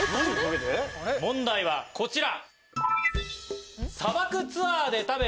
問題はこちら！